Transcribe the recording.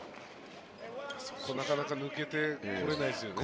あそこ、なかなか抜けてこれないですよね。